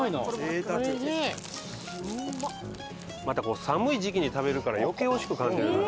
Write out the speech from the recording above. またこう寒い時期に食べるから余計おいしく感じる。